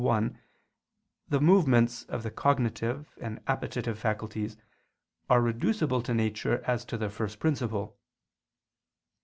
1), the movements of the cognitive and appetitive faculties are reducible to nature as to their first principle.